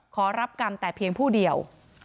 ขอรับกรรมแต่เพียงผู้เดียว